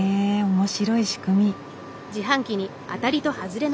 面白い仕組み。